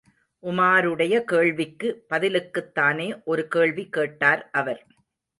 உமாருடைய கேள்விக்கு பதிலுக்குத் தானே ஒரு கேள்வி கேட்டார் அவர்.